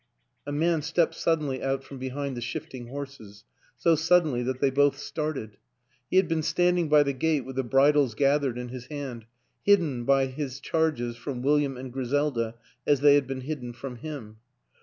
... A man stepped suddenly out from behind the shifting horses so suddenly that they both started. He had been standing by the gate with the bridles gathered in his hand, hidden by his charges from William and Griselda as they had been hidden from him.